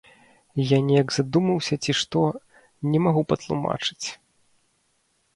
Я неяк задумаўся ці што, не магу патлумачыць.